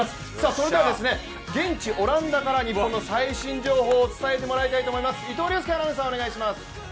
それでは現地オランダから日本の最新情報を伝えてもらいたいと思います。